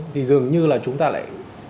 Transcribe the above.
thì dường như là chúng ta lại